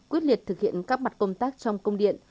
quyết liệt thực hiện các mặt công tác trong công điện